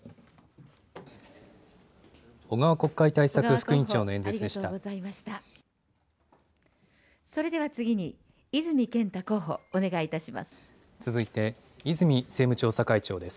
小川国会対策副委員長の演説それでは次に、泉健太候補、お願いいたします。